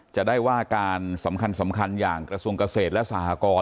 จะได้ว่าการสำคัญอย่างกระทรวงเกษตรและสหกร